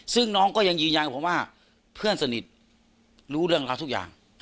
ซึ่งน้องก็ยังยืนยันกับผมว่าเพื่อนสนิทรู้เรื่องเขาทุกอย่าง